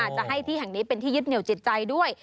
จะให้ที่แห่งนี้เป็นที่ยึดเหนียวจิตใจด้วย